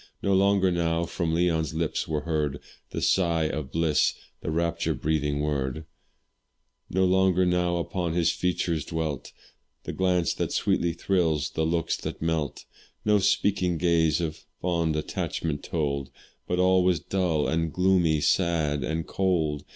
No longer now from Leon's lips were heard The sigh of bliss the rapture breathing word; No longer now upon his features dwelt The glance that sweetly thrills the looks that melt; No speaking gaze of fond attachment told, But all was dull and gloomy, sad and cold.